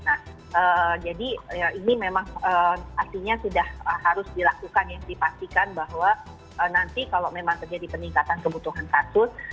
nah jadi ini memang artinya sudah harus dilakukan yang dipastikan bahwa nanti kalau memang terjadi peningkatan kebutuhan kasus